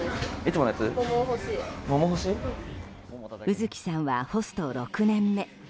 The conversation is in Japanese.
卯月さんはホスト６年目。